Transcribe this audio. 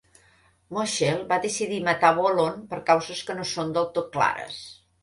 Mosheel va decidir matar Bolon per causes que no són del tot clares.